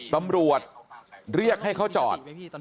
ตำรวจเรียกให้เขาจอด